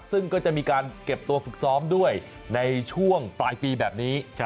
ซึ่งก็จะมีการเก็บตัวฝึกซ้อมด้วยในช่วงปลายปีแบบนี้